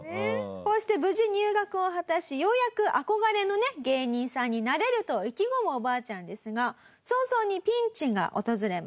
こうして無事入学を果たしようやく憧れのね芸人さんになれると意気込むおばあちゃんですが早々にピンチが訪れます。